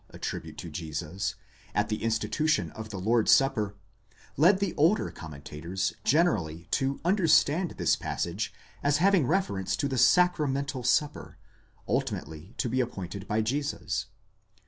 attribute to Jesus, at the institution of the Lord's Supper, led the older com mentators generally to understand this passage as having reference to the Sacramental supper, ultimately to be appointed by Jesus.